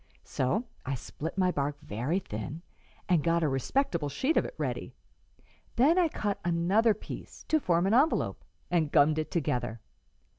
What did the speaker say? So I split my bark very thin and got a respectable sheet of it ready; then I cut another piece, to form an envelope, and gummed it together.